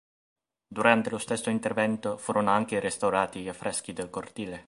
Durante lo stesso intervento furono anche restaurati gli affreschi del cortile.